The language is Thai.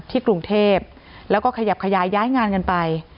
กรุงเทพแล้วก็ขยับขยายย้ายงานกันไป